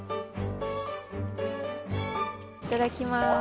いただきます。